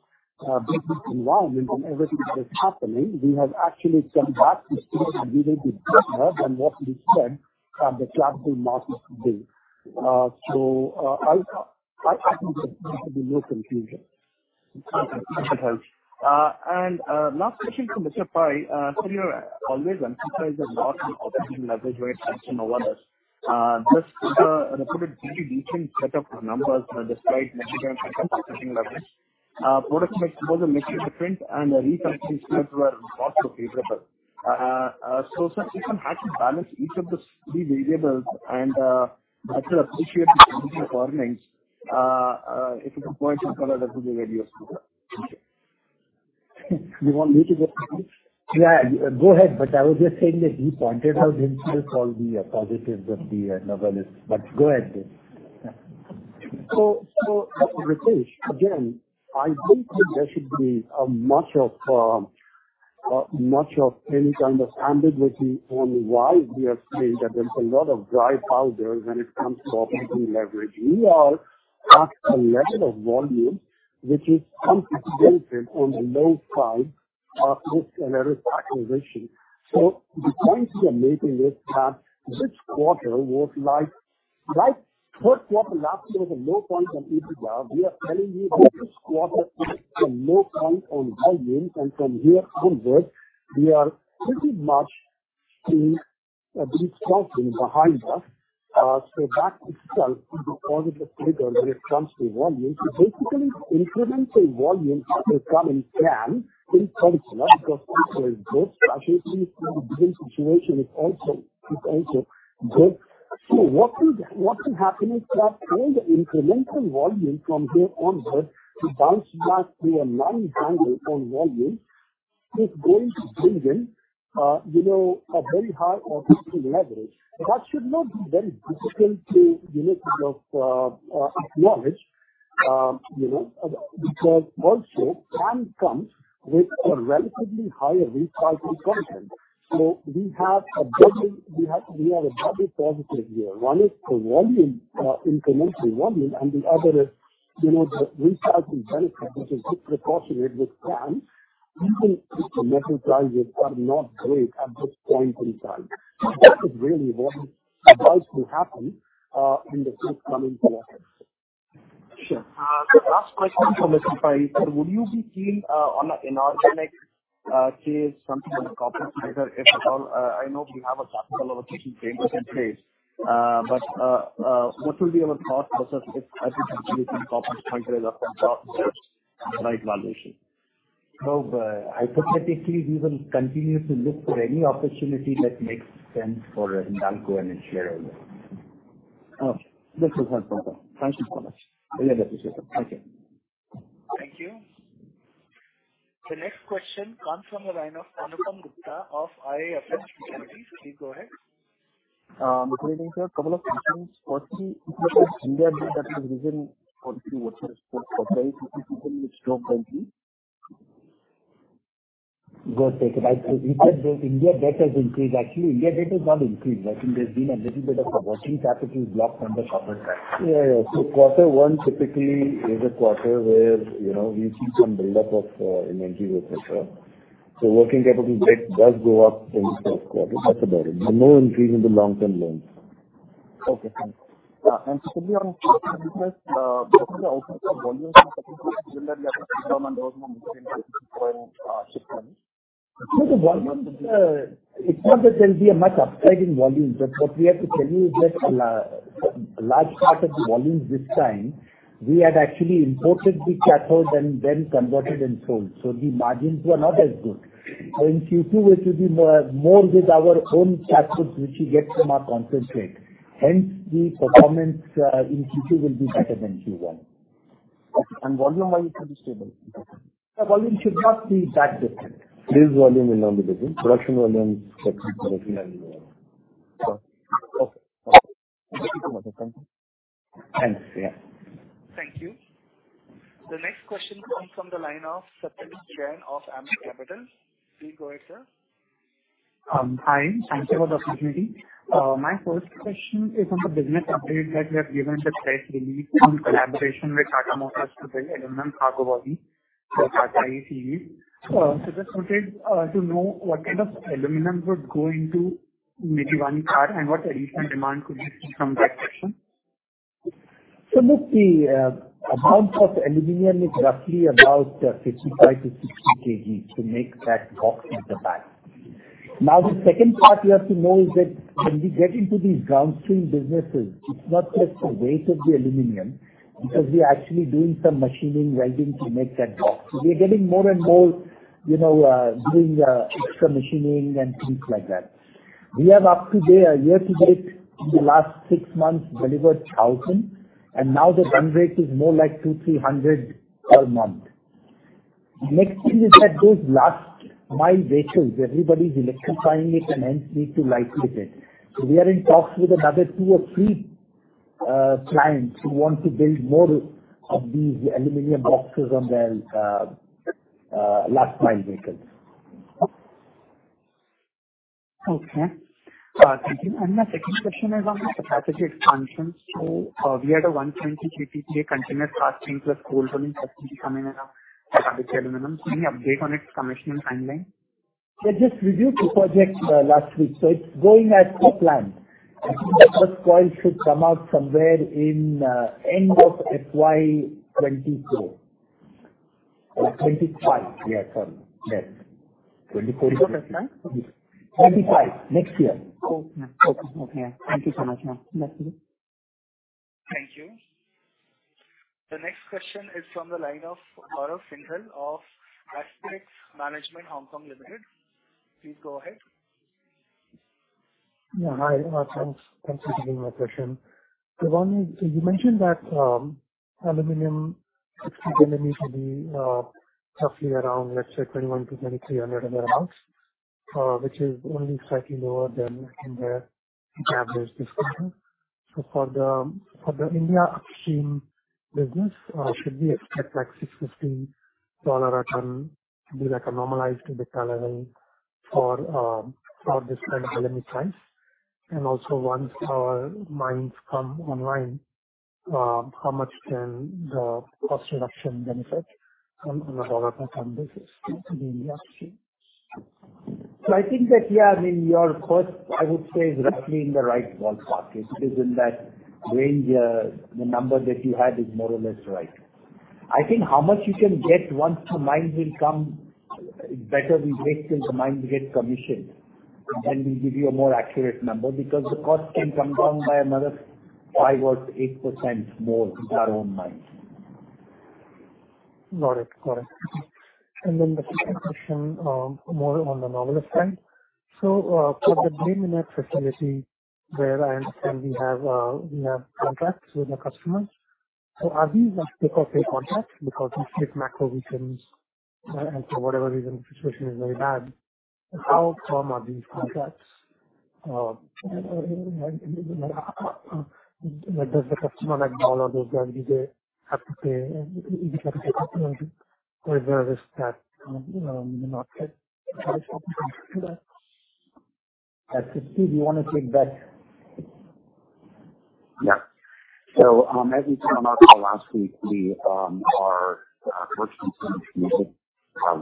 business environment and everything that is happening, we have actually come back to say that we will be better than what we said at the capital markets day. I, I think there should be no confusion. Okay, that helps. Last question for Mr. Pai. You always emphasize a lot on operating leverage rate and Novelis. Just reported very different set of numbers despite management setting leverage. Product mix was a mixture different and the results were also favorable. If one had to balance each of these three variables and, better appreciate the earnings, if you could point to color that will be very useful. You want me to go? Yeah, go ahead. I was just saying that he pointed out himself all the positives of the Novelis. Go ahead, Dev. Ritesh, again, I don't think there should be a much of, much of any kind of ambiguity on why we are saying that there's a lot of dry powder when it comes to operating leverage. We are at a level of volume which is concentrated on the low side of this acquisition. The point we are making is that this quarter was like Q3 last year was a low point on EBITDA. We are telling you this quarter is a low point on volumes, and from here onwards we are pretty much seeing a big mountain behind us. That itself is a positive trigger when it comes to volume. Basically, incremental volume will come in can in particular, because this situation is also good. What would, what will happen is that all the incremental volume from here onwards to bounce back to a normal handle on volume is going to bring in, you know, a very high operating leverage. That should not be very difficult to, you know, acknowledge, you know, because also can come with a relatively higher recycling content. We have a double, we have, we have a double positive here. One is the volume, incremental volume, and the other is, you know, the recycling benefit, which is disproportionate with plan, even if the metal prices are not great at this point in time. That is really what is going to happen, in the coming quarters. Sure. The last question for Mr. Pai, sir, would you be keen on an inorganic case, something like a copper, if at all? I know we have a capital allocation framework in place. What will be our thought process if everything copper is up and down the right valuation? Hypothetically, we will continue to look for any opportunity that makes sense for Hindalco and share over. Oh, this is helpful. Thank you so much. Really appreciate it. Thank you. Thank you. The next question comes from the line of Anupam Gupta of IIFL Securities. Please go ahead. Good evening, sir. A couple of questions. Firstly, India, that is the reason for Q4 Go ahead, take it. I think India debt has increased. Actually, India debt has not increased. I think there's been a little bit of working capital blocked under corporate tax. Quarter one typically is a quarter where, you know, we see some buildup of inventory, et cetera. Working capital debt does go up in the Q1, that's about it. No increase in the long-term loans. Okay, thank you. Secondly, The volumes, it's not that there'll be a much upside in volumes, but what we have to tell you is that a large part of the volumes this time, we had actually imported the cathodes and then converted and sold, so the margins were not as good. In Q2, it will be more, more with our own cathodes, which we get from our concentrate. Hence, the performance in Q2 will be better than Q1. Okay, volume wise it should be stable? The volume should not be that different. This volume will now be the same. Production volume Okay. Thanks. Yeah. Thank you. The next question comes from the line of Satyadeep Jain of Ambit Capital. Please go ahead, sir. Hi. Thank you for the opportunity. My first question is on the business update that you have given the press release on collaboration with Tata Motors to build aluminum cargo body for Tata ACE EV. Just wanted to know what kind of aluminum would go into maybe one car and what additional demand could we see from that question? Look, the amount of aluminum is roughly about 55 to 60 kg to make that box at the back. The second part you have to know is that when we get into these downstream businesses, it's not just the weight of the aluminum, because we are actually doing some machining, welding to make that box. We are getting more and more, you know, doing extra machining and things like that. We have up to date, a year to date, in the last 6 months, delivered 1,000, and now the run rate is more like 200-300 per month. Next thing is that those last mile vehicles, everybody's electrifying it and hence need to lighten it. We are in talks with another 2 or 3 clients who want to build more of these aluminum boxes on their last mile vehicles. Okay. Thank you. My second question is on the capacity expansion. We had a 120 PP continuous casting plus cold rolling facility coming around aluminum. Any update on its commission timeline? We just reviewed the project last week, so it's going as per plan. I think the first coil should come out somewhere in end of FY 24, 25. Yeah, sorry. Yes. 2044. 25? 25. Next year. Okay. Okay. Thank you so much, ma'am. Thank you. Thank you. The next question is from the line of Gaurav Singhal of Aspex Management Hong Kong Limited. Please go ahead. Yeah, hi. Thanks. Thanks for taking my question. You mentioned that aluminum 60 millimeter be roughly around, let's say, $2,100 to 2,300, which is only slightly lower than in the average discussion. For the India upstream business, should we expect like $615 a ton to be like a normalized EBITDA level for this kind of aluminum price? Also once our mines come online, how much can the cost reduction benefit on a $ per ton basis to the India upstream? I think that, yeah, I mean, your cost, I would say, is roughly in the right ballpark. It is in that range, the number that you had is more or less right. I think how much you can get once the mines will come, better we wait till the mines get commissioned, and then we'll give you a more accurate number, because the cost can come down by another 5% or 8% more in our own mines. Got it. Got it. Then the second question, more on the Novelis side. For the green net facility where I understand we have, we have contracts with the customers. Are these just pay contracts? Because if macro reasons and for whatever reason, the situation is very bad, how firm are these contracts? Like, does the customer like all of those, then do they have to pay, is it up to the customer or there is that, not. Steve, you want to take that? Yeah. As we came out last week, we are working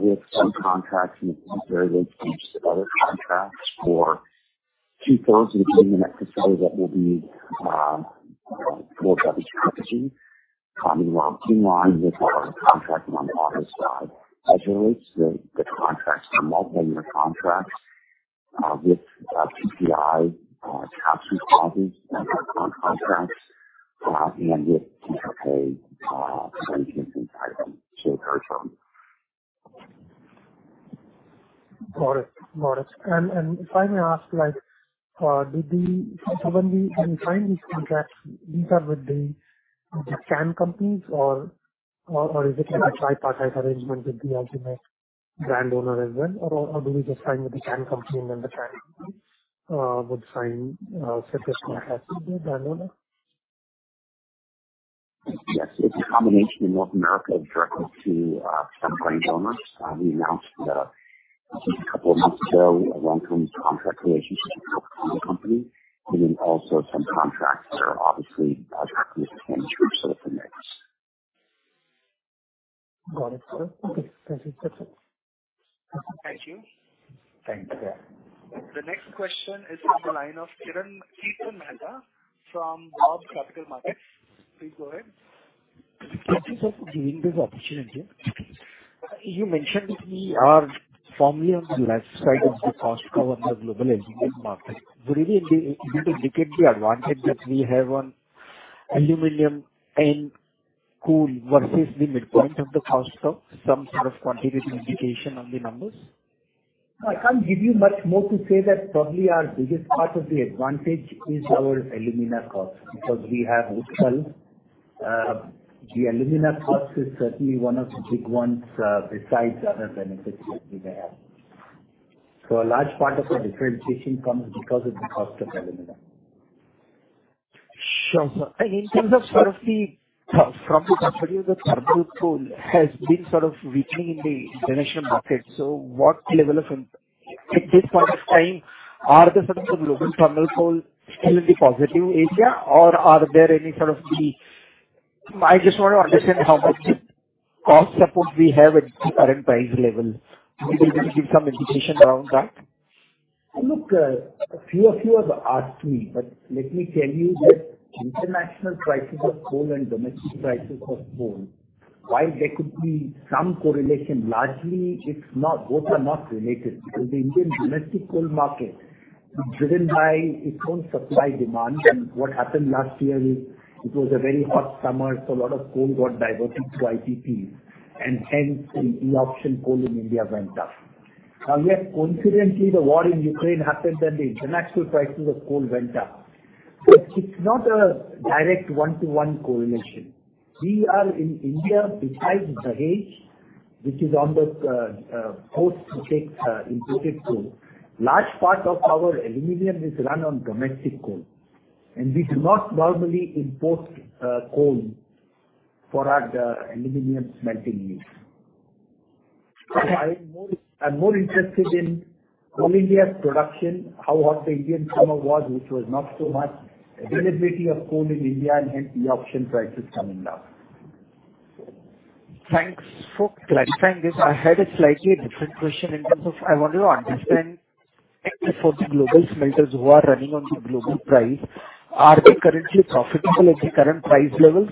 with some contracts and very good other contracts for 2/3 of the next facility that will be pulled up strategy. Coming along 2 lines, we'll have our contract on the auto side. As it relates to the contracts are multi-year contracts, with PPI capture clauses on contracts, and with pay solutions inside them. Got them. Got it. Got it. If I may ask, like, when we, when we sign these contracts, these are with the can companies or, or, or is it like a tripartite arrangement with the ultimate land owner as well? Or do we just sign with the can company and then the can would sign such a contract with the land owner? Yes, it's a combination in North America directly to some land owners. We announced that just a couple of months ago, a long-term contract relationship with one company, and then also some contracts that are obviously directly with the can group, so the mix. Got it, sir. Okay, that's it. Thank you. Thanks. Yeah. The next question is from the line of Kiran Keith Mehta from Global Capital Markets. Please go ahead. Thank you for giving this opportunity. You mentioned we are firmly on the left side of the cost curve on the global engineering market. Could you indicate the advantage that we have on aluminum and coal versus the midpoint of the cost of some sort of quantitative indication on the numbers? No, I can't give you much more to say that probably our biggest part of the advantage is our alumina cost, because we have wood pulp. The alumina cost is certainly one of the big ones, besides other benefits that we may have. A large part of the differentiation comes because of the cost of alumina. Sure, sir. In terms of sort of the, from the perspective of the thermal coal has been sort of weakening in the generation market. What level at this point of time, are the sort of the global thermal coal still in the positive area, or are there any sort of? I just want to understand how much cost support we have at the current price level. Maybe you can give some indication around that? Look, a few of you have asked me, but let me tell you that international prices of coal and domestic prices of coal, while there could be some correlation, largely it's not. Both are not related because the Indian domestic coal market is driven by its own supply, demand. What happened last year is it was a very hot summer, so a lot of coal got diverted to IPP, and hence, the e-auction coal in India went up. Yet coincidentally, the war in Ukraine happened and the international prices of coal went up. It's not a direct one-to-one correlation. We are in India, besides the Dahej, which is on the port which takes imported coal. Large part of our aluminum is run on domestic coal, and we do not normally import coal for our aluminum smelting use. I'm more interested in all India's production, how hot the Indian summer was, which was not so much, availability of coal in India. Hence the auction prices coming down. Thanks for clarifying this. I had a slightly different question in terms of I wanted to understand for the global smelters who are running on the global price, are they currently profitable at the current price levels?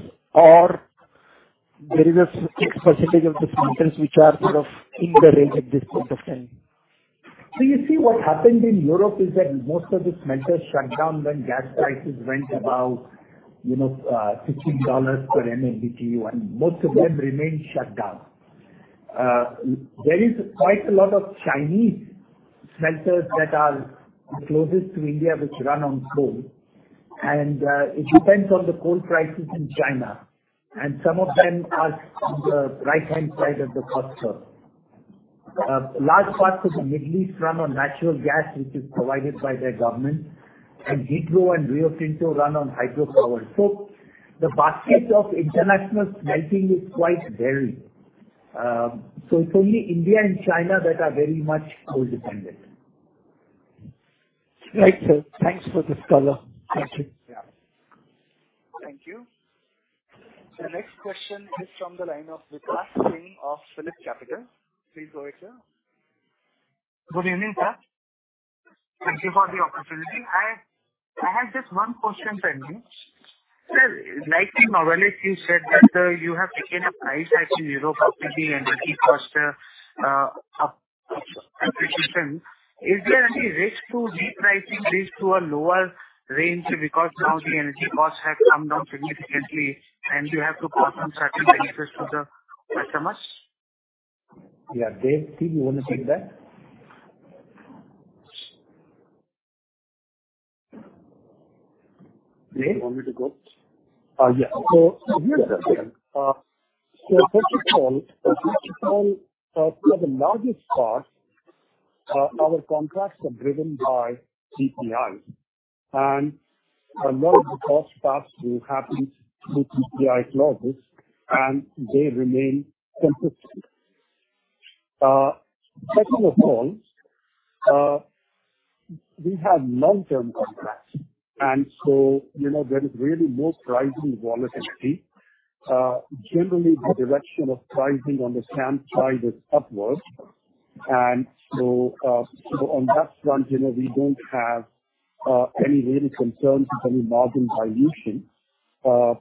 There is a specific of the smelters which are sort of in the range at this point of time. You see, what happened in Europe is that most of the smelters shut down when gas prices went above, you know, $15 per MMBTU, and most of them remained shut down. There is quite a lot of Chinese smelters that are closest to India, which run on coal. It depends on the coal prices in China, and some of them are on the right-hand side of the cost curve. Large parts of the Middle East run on natural gas, which is provided by their government, and Hydro and Rio Tinto run on hydropower. The basket of international smelting is quite varied. It's only India and China that are very much coal dependent. Right, sir. Thanks for this color. Thank you. Yeah. Thank you. The next question is from the line of Vikash Singh of PhillipCapital. Please go ahead, sir. Good evening, sir. Thank you for the opportunity. I, I had just one question for you. Sir, like the Novelis, you said that you have taken a price hike to Europe, probably, energy cost up appreciation. Is there any risk to repricing risk to a lower range? Because now the energy costs have come down significantly and you have to pass on certain benefits to the customers. Yeah. Dev, do you want to take that? Dev? You want me to go? Yeah. Here's the thing. First of all, first of all, for the largest part, our contracts are driven by CPI. A lot of the cost pass will happen through CPI clauses, and they remain consistent. Second of all, we have long-term contracts, and so, you know, there is really more pricing volatility. Generally, the direction of pricing on the sand side is upward. So on that front, you know, we don't have any really concerns with any margin dilution.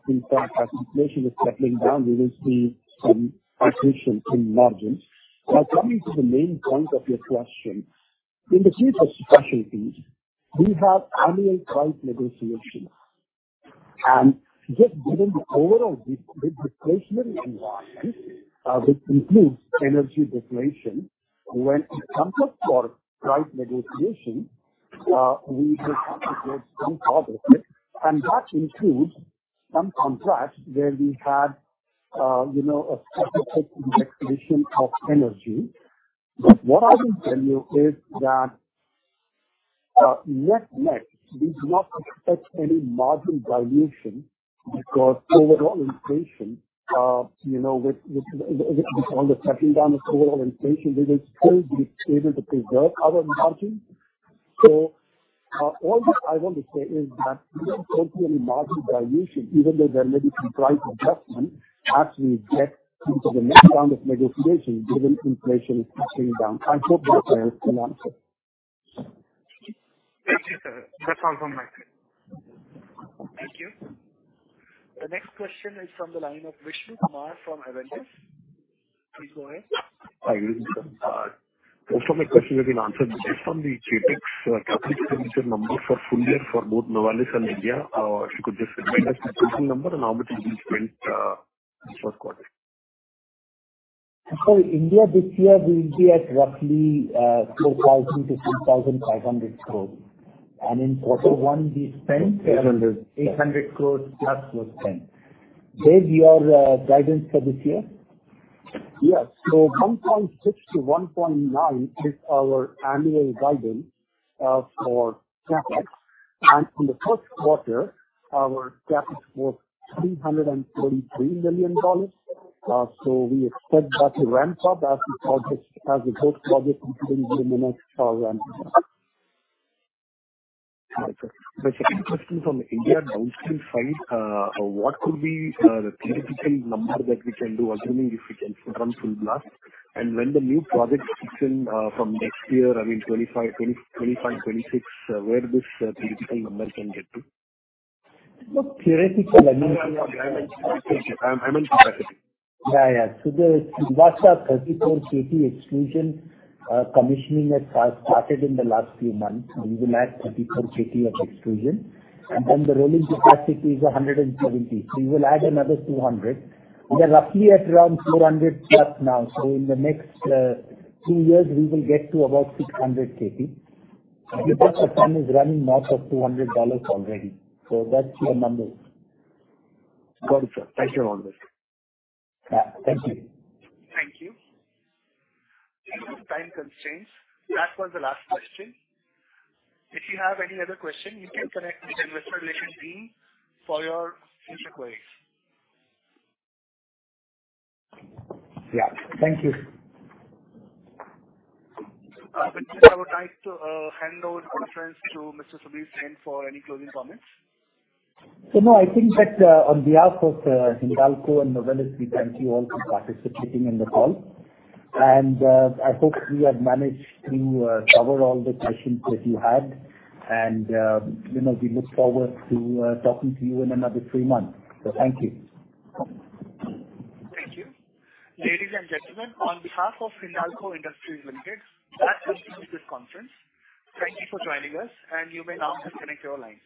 In fact, as inflation is settling down, we will see some expansion in margins. Now, coming to the main point of your question, in the case of specialties, we have annual price negotiations. Just given the overall deflationary environment, which includes energy deflation, when it comes up for price negotiation, we just get some progress. That includes some contracts where we had, you know, a specific indexation of energy. What I will tell you is that net, net, we do not expect any margin dilution because overall inflation, you know, on the second down of total inflation, we will still be able to preserve our margins. All that I want to say is that we don't see any margin dilution, even though there may be some price adjustment as we get into the next round of negotiations, given inflation is coming down. I hope that helps to answer. Thank you, sir. That's all from my side. Thank you. The next question is from the line of Vishnu Kumar from Avendus Spark. Please go ahead. Hi, good evening, sir. Most of my questions have been answered. Just on the CapEx, capital expenditure number for full year for both Novelis and India, if you could just remind us the total number and how much it is spent? This Q4. India this year, we will be at roughly 4,000 crore-3,500 crore. In quarter one, we spent 800, 800 crore plus was spent. Dev, your guidance for this year? Yes. $1.6 billion to 1.9 billion is our annual guidance for CapEx. In the Q1, our CapEx was $333 million. We expect that to ramp up as the project, as the both projects into the next ramp up. The second question from India downstream side, what could be the theoretical number that we can do, assuming if we can run full blast? When the new project kicks in, from next year, I mean, 2025-2026, where this theoretical number can get to? Look, theoretical, I mean- I'm in capacity. Yeah, yeah. The Silvassa 34 KP exclusion commissioning has started in the last few months. We will add 34 KP of exclusion, and then the rolling capacity is 170. We will add another 200. We are roughly at around 400+ now, so in the next two years, we will get to about 600 KP. The ton is running north of $200 already. That's your number. Got it, sir. Thank you very much. Yeah, thank you. Thank you. Due to time constraints, that was the last question. If you have any other question, you can connect with investor relations team for your future queries. Yeah. Thank you. I would like to hand over conference to Mr. Subir Sen for any closing comments. No, I think that, on behalf of Hindalco and Novelis, we thank you all for participating in the call. I hope we have managed to cover all the questions that you had. You know, we look forward to talking to you in another 3 months. Thank you. Thank you. Ladies and gentlemen, on behalf of Hindalco Industries Limited, that concludes this conference. Thank you for joining us, and you may now disconnect your lines.